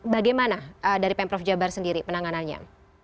bagaimana dari pemprov jabar sendiri penanganannya